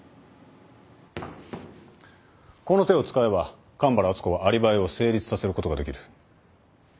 この手を使えば神原敦子はアリバイを成立させることができる。